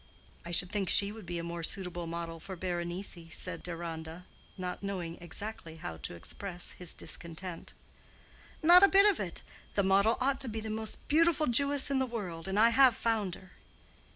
"I should think she would be a more suitable model for Berenice," said Deronda, not knowing exactly how to express his discontent. "Not a bit of it. The model ought to be the most beautiful Jewess in the world, and I have found her."